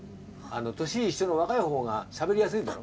年一緒の若い方がしゃべりやすいだろ？